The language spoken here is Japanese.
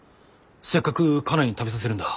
せっかくカナに食べさせるんだ。